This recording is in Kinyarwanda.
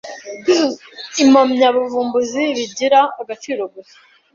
impamyabuvumbuzi bigira agaciro gusa